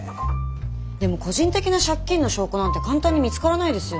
でも個人的な借金の証拠なんて簡単に見つからないですよね。